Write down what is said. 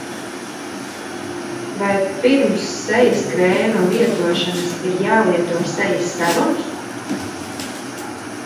Vai pirms sejas krēma lietošanas ir jālieto sejas serums?